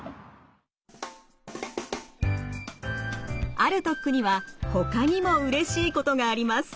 歩得にはほかにもうれしいことがあります。